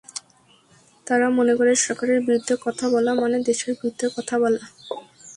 তারা মনে করে, সরকারের বিরুদ্ধে কথা বলা মানে দেশের বিরুদ্ধে কথা বলা।